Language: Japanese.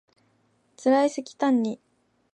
つらいせきたんに